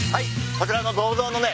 こちらの銅像のね